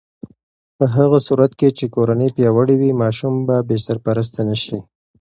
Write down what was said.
په هغه صورت کې چې کورنۍ پیاوړې وي، ماشوم به بې سرپرسته نه شي.